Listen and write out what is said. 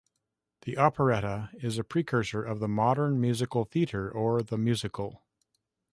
The operetta is a precursor of the modern musical theatre or the "musical".